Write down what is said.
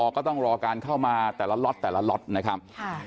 ก็ต้องรอการเข้ามาแต่ละล็อตนะครับ